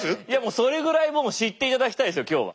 それぐらいもう知って頂きたいんですよ今日は。